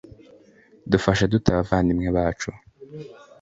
dufasha dute abavandimwe bacu